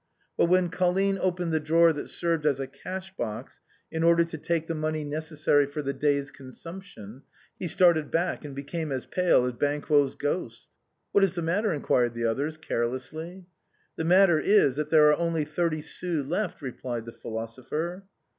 But when Colline opened the drawer that served as a cash box in order to take the money necessary for the day's consumption, he started back and became as pale as Ban quo's ghost. " What is the matter ?" inquired the others, carelessly. " The matter is that there are only thirty sous left," re plied the philosopher.